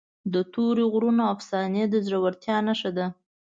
د تورې غرونو افسانې د زړورتیا نښه ده.